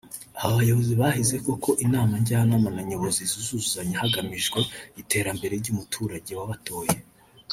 Aba bayobozi bahize ko ko Inama Njyanama na Nyobozi zizuzuzanya hagamijwe iterambere ry’umuturage w’abatoye